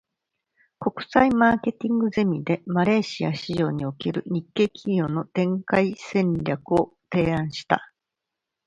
国際マーケティングゼミで、マレーシア市場における日系企業の展開戦略を提案した。